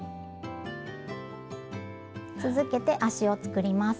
続けて足を作ります。